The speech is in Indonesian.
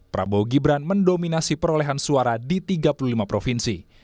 prabowo gibran mendominasi perolehan suara di tiga puluh lima provinsi